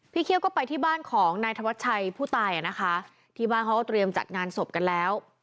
เคี่ยวก็ไปที่บ้านของนายธวัชชัยผู้ตายอ่ะนะคะที่บ้านเขาก็เตรียมจัดงานศพกันแล้ว